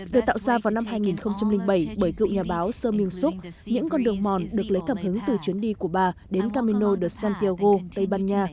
được tạo ra vào năm hai nghìn bảy bởi cựu nhà báo se meung suk những con đường mòn được lấy cảm hứng từ chuyến đi của bà đến camino de santiago tây ban nha